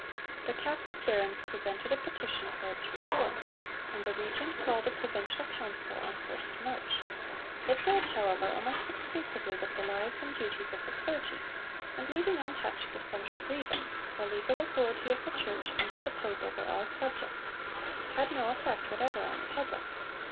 The Catholic barons presented a petition for its reform, and the Regent called a Provincial Council on 1st March. It dealt, however, almost exclusively with the lives and duties of the clergy, and leaving untouched the central grievance the legal authority of the Church and of the Pope over all subjects had no effect whatever on the public.